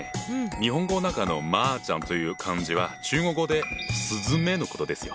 日本語の中の麻雀という漢字は中国語でスズメのことですよ。